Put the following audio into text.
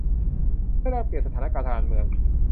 เพื่อแลกเปลี่ยนสถานการณ์การเมือง